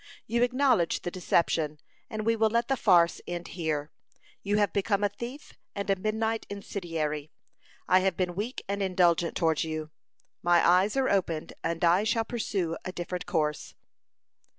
You acknowledge the deception, and we will let the farce end here. You have become a thief and a midnight incendiary. I have been weak and indulgent towards you. My eyes are opened, and I shall pursue a different course."